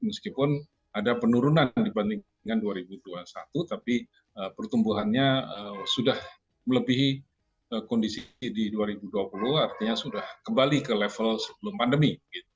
meskipun ada penurunan dibandingkan dua ribu dua puluh satu tapi pertumbuhannya sudah melebihi kondisi di dua ribu dua puluh artinya sudah kembali ke level sebelum pandemi